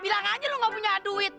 bilang aja lu nggak punya duit